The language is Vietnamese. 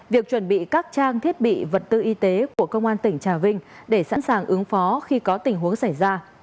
việc chuẩn bị các trang thiết bị vật tư y tế của công an tỉnh trà vinh để sẵn sàng ứng phó khi có tình huống xảy ra